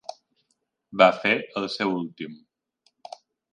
Va fer el seu últim